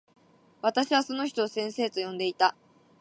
私はその人を先生と呼んでいた。